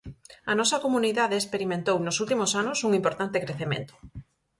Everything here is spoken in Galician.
A nosa comunidade experimentou nos últimos anos un importante crecemento.